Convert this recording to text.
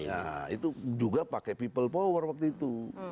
ya itu juga pakai people power waktu itu